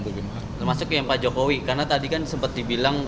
termasuk yang pak jokowi karena tadi kan sempat dibilang